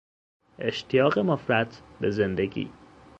اشتیاق مفرط به زندگی